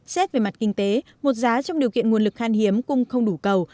xét về mặt kinh tế một giá trong điều kiện nguồn lực khan hiếm cũng không đủ cầu